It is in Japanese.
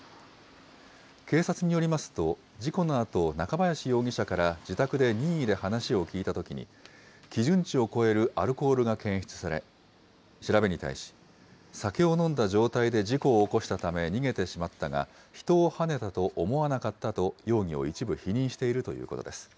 警察によりますと、事故のあと、中林容疑者から自宅で任意で話を聴いたときに、基準値を超えるアルコールが検出され、調べに対し、酒を飲んだ状態で事故を起こしたため逃げてしまったが、人をはねたと思わなかったと、容疑を一部否認しているということです。